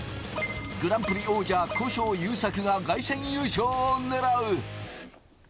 グランプリ王者・古性優作が凱旋優勝を狙う。